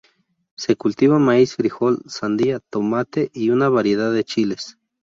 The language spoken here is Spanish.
Se cultiva maíz, frijol, sandía, tomate y una variedad de chiles.